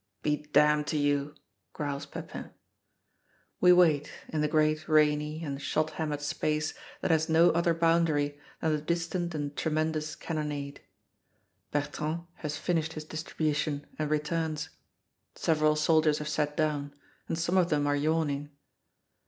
"Be damned to you!" growls Pepin. We wait, in the great rainy and shot hammered space that has no other boundary than the distant and tremendous cannonade. Bertrand has finished his distribution and returns. Several soldiers have sat down, and some of them are yawning.